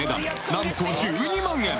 なんと１２万円！